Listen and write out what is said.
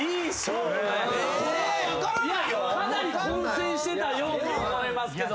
かなり混戦してたように思いますけど。